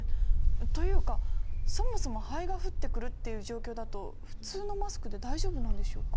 というかそもそも灰が降ってくるっていう状況だと普通のマスクで大丈夫なんでしょうか？